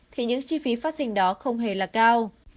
thì những chi phí phát sinh đó không hề là cao